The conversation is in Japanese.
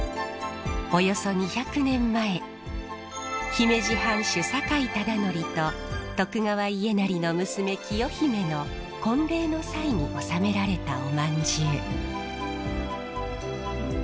姫路藩主酒井忠学と徳川家斉の娘喜代姫の婚礼の際に納められたおまんじゅう。